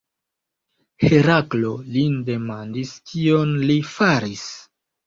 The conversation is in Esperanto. Heraklo lin demandis kion li faris.